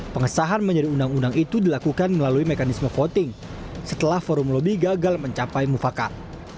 pengesahan menjadi undang undang itu dilakukan melalui mekanisme voting setelah forum lobby gagal mencapai mufakat